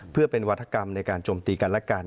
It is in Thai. เพื่อเป็นวัฒกรรมในการจมตีกันและกัน